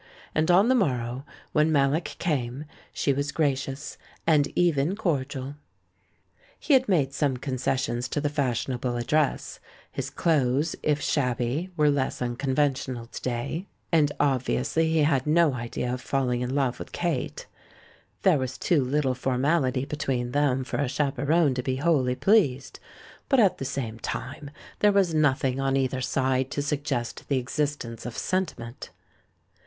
And on the morrow, when ISIallock came, she was gracious, and even cordial. He had made some concessions to the fashion able address. His clothes, if shabby, were less unconventional to day; and obviously he had no 298 THE MAN WHO UNDERSTOOD WOMEN idea of falling in love with Kate. There was too little formality between them for a chaperon to be wholly pleased, but, at the same time, there was nothing on either side to suggest the existence of sentiment.